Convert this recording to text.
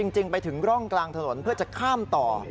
จริงไปถึงร่องกลางถนนเพื่อจะข้ามต่อ